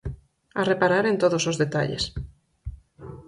A reparar en todos os detalles.